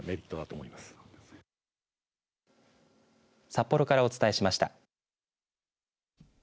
札幌からお伝えしました。